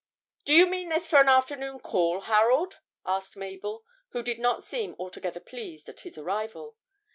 'Do you mean this for an afternoon call, Harold?' asked Mabel, who did not seem altogether pleased at his arrival.